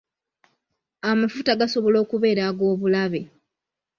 Amafuta gasobola okubeera ag'obulabe.